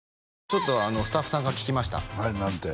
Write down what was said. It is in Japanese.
ちょっとスタッフさんから聞きました何て？